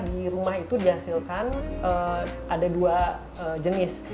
di rumah itu dihasilkan ada dua jenis